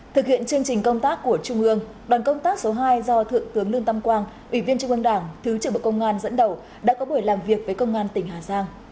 thực hiện chương trình công tác của trung ương đoàn công tác số hai do thượng tướng lương tâm quang ủy viên trung ương đảng thứ trưởng bộ công an dẫn đầu đã có buổi làm việc với công an tỉnh hà giang